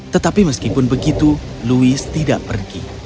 tetapi meskipun begitu louis tidak pergi